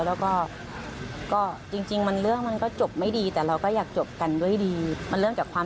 เราควบคุมไม่ได้แต่เรามีสิทธิ์ที่จะเลือกที่จะเดินต่อไปได้